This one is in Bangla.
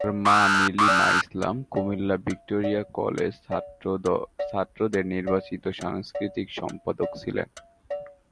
তার মা নীলিমা ইসলাম কুমিল্লা ভিক্টোরিয়া কলেজে ছাত্রদের নির্বাচিত সাংস্কৃতিক সম্পাদক ছিলেন।